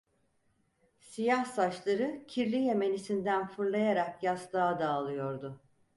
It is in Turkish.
Siyah saçları kirli yemenisinden fırlayarak yastığa dağılıyordu.